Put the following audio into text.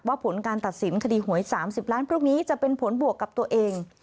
ผลการตัดสินคดีหวย๓๐ล้านพวกนี้จะเป็นผลบวกกับตัวเอง